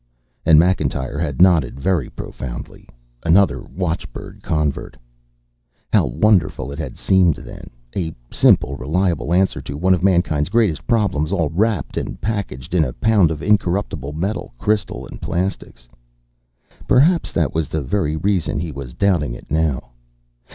And Macintyre had nodded very profoundly another watchbird convert. How wonderful it had seemed then! A simple, reliable answer to one of mankind's greatest problems, all wrapped and packaged in a pound of incorruptible metal, crystal and plastics. Perhaps that was the very reason he was doubting it now.